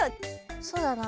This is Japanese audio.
そうだね！